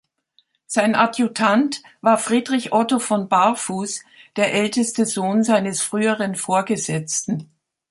Sein Adjutant war Friedrich Otto von Barfus, der älteste Sohn seines früheren Vorgesetzten.